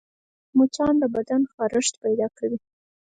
مچان د بدن خارښت پیدا کوي